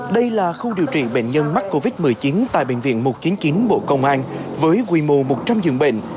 đây là khu điều trị bệnh nhân mắc covid một mươi chín tại bệnh viện một trăm chín mươi chín bộ công an với quy mô một trăm linh giường bệnh